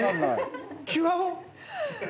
違う？